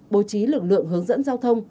bố trí lực lượng hướng dẫn giao thông